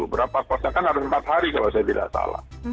berapa perpocokan harus empat hari kalau saya tidak salah